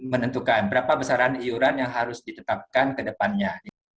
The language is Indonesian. menentukan berapa besaran iuran yang harus ditetapkan ke depannya